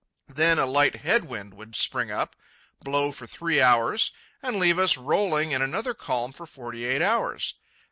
Then a light head wind would spring up, blow for three hours, and leave us rolling in another calm for forty eight hours.